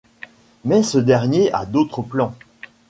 Mais ce dernier a d'autres plans...